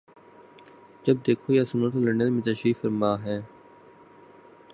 جب دیکھو یا سنو تو لندن میں تشریف فرما ہیں۔